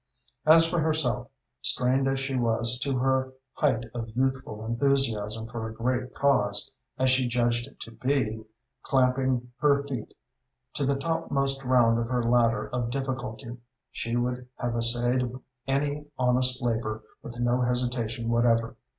As for herself, strained as she was to her height of youthful enthusiasm for a great cause, as she judged it to be, clamping her feet to the topmost round of her ladder of difficulty, she would have essayed any honest labor with no hesitation whatever.